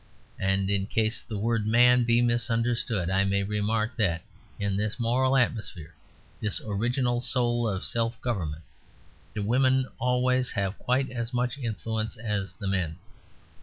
And in case the word "man" be misunderstood, I may remark that in this moral atmosphere, this original soul of self government, the women always have quite as much influence as the men.